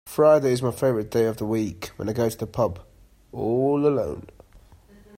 Friday is my favourite day of the week, when I go to the pub